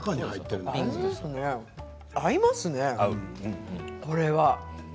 合いますねこれは。